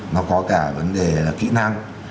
nó có cả vấn đề là kỹ năng